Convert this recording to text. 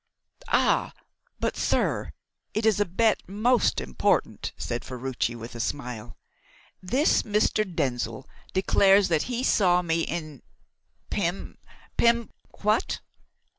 "Ah, but sir, it is a bet most important," said Ferruci, with a smile. "This Mr. Denzil declares that he saw me in Pim Pim what?"